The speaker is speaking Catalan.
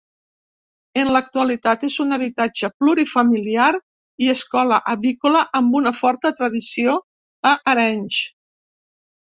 En l'actualitat és un habitatge plurifamiliar i escola avícola amb una forta tradició a Arenys.